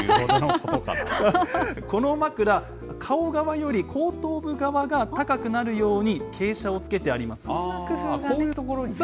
この枕、顔側より後頭部側が高くなるように傾斜をつけてありこういう所にね。